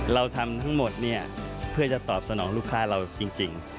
เราทำทั้งหมดเนี่ยเพื่อจะตอบสนองลูกค้าเราจริง